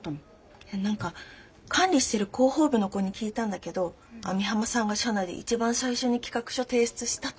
何か管理してる広報部の子に聞いたんだけど網浜さんが社内で一番最初に企画書提出したって。